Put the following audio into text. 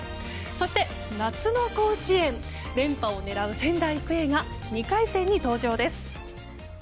そして、夏の甲子園連覇を狙う仙台育英が２回戦に登場です。